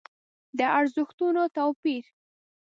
د ارزښتونو توپير.